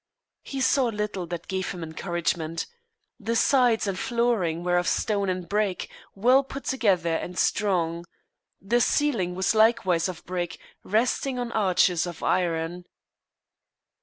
He saw little that gave him encouragement. The sides and flooring were of stone and brick, well put together and strong. The ceiling was likewise of brick, resting on arches of iron.